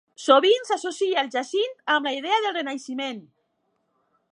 Sovint s'associa el jacint amb la idea del renaixement.